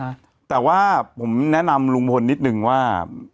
อ่าแต่ว่าผมแนะนำลุงพลนิดนึงว่า